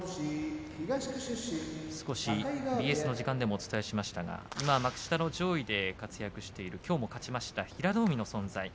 少しＢＳの時間でもお伝えしましたが今幕下の上位で活躍しているきょうも勝ちました平戸海の存在。